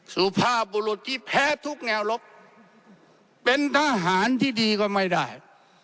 สุภาพบุรุษที่แพ้ทุกแนวลบเป็นทหารที่ดีก็ไม่ได้